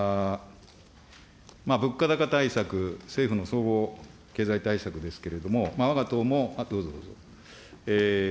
物価高対策、政府の総合経済対策ですけれども、わが党も、どうぞどうぞ。